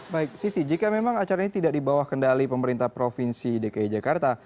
baik sisi jika memang acara ini tidak dibawah kendali pemerintah provinsi dki jakarta